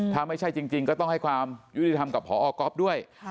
ถ้าไม่ใช่จริงก็ต้องให้ความยุติธรรมกับพอก๊อฟด้วย